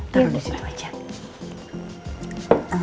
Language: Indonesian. taruh disitu aja